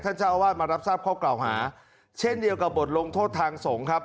เจ้าอาวาสมารับทราบข้อกล่าวหาเช่นเดียวกับบทลงโทษทางสงฆ์ครับ